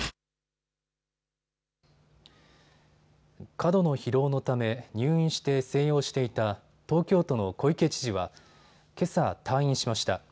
過度の疲労のため入院して静養していた東京都の小池知事はけさ退院しました。